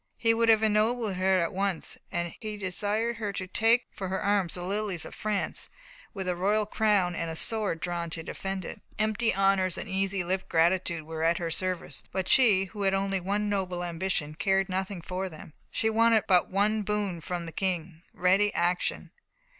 He would have ennobled her at once, and he desired her to take for her arms the lilies of France, with a royal crown and a sword drawn to defend it. Empty honours and easy lip gratitude were at her service, but she, who had only one noble ambition, cared nothing for them. She wanted but one boon from the King ready action.